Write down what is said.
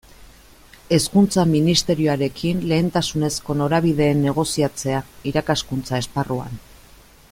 Hezkuntza Ministerioarekin lehentasunezko norabideen negoziatzea, irakaskuntza esparruan.